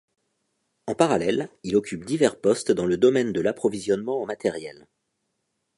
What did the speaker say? En parallèle, il occupe divers postes dans le domaine de l'approvisionnement en matériel.